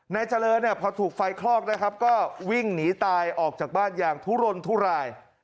นายเจริญเนี่ยพอถูกไฟคลอกนะครับก็วิ่งหนีตายออกจากบ้านอย่างทุรนทุราย